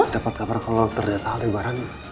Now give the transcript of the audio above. dapat kabar kalau ternyata lebaran